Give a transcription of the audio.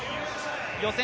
予選